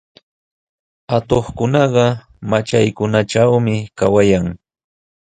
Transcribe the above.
Atuqkunaqa matraykunatrawmi kawayan.